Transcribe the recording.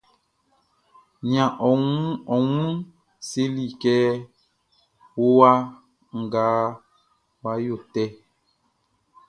Nian ɔ mlu selikɛ, o wa nga wa yotɛ.